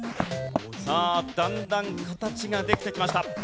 さあだんだん形ができてきました。